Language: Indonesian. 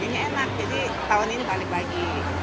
kayaknya enak jadi tahun ini balik lagi